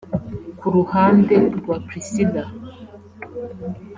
Ku ruhande rwa Priscillah